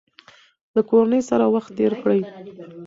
له کورنۍ سره وخت تېر کړئ.